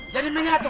jadi minggu itu